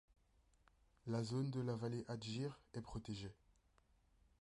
La zone de la vallée Andjir est protégée.